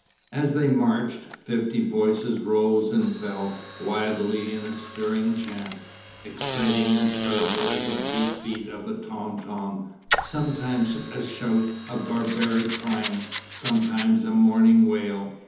As they marched, fifty voices rose and fell wildly in a stirring chant, exciting and terrible as the beat beat of a tom tom, sometimes a shout of barbaric triumph, sometimes a mourning wail.